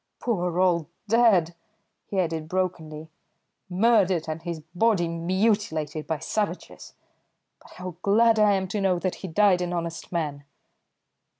Poor old dad," he added brokenly, "murdered, and his body mutilated by savages! But how glad I am to know that he died an honest man!"